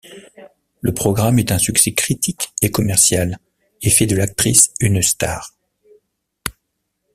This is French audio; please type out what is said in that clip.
Le programme est un succès critique et commercial, et fait de l'actrice une star.